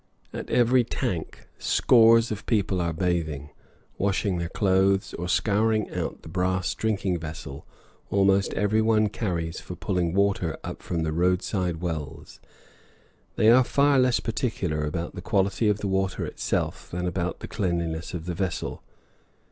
At every tank scores of people are bathing, washing their clothes, or scouring out the brass drinking vessel almost everyone carries for pulling water up from the roadside wells. They are far less particular about the quality of the water itself than about the cleanliness of the vessel.